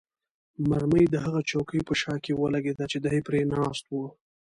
مرمۍ د هغه چوکۍ په شا کې ولګېده چې دی پرې ناست وو.